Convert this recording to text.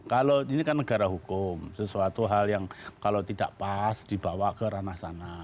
kalau ini kan negara hukum sesuatu hal yang kalau tidak pas dibawa ke ranah sana